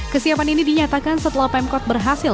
kesiapan ini dinyatakan setelah pemkot berhasil